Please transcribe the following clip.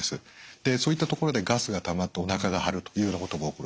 でそういったところでガスがたまっておなかが張るというようなことが起こる。